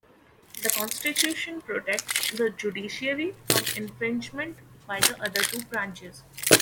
The constitution protects the judiciary from infringement by the other two branches.